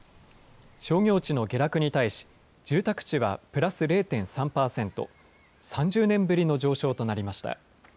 商業地の下落に対し、住宅地はプラス０．３％、３０年ぶりの上昇となりました。